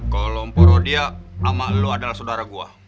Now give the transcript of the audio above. kalau porodia sama lu adalah saudara gua